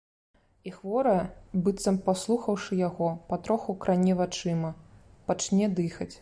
І хворая, быццам паслухаўшы яго, патроху кране вачыма, пачне дыхаць.